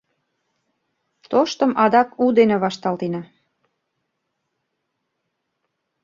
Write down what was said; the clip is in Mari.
Тоштым адак у дене вашталтена.